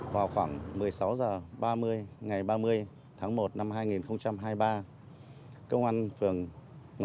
vào khoảng một mươi sáu h ba mươi ngày ba mươi tháng một năm hai nghìn hai mươi ba công an phường ngọc lâm nhận được tin báo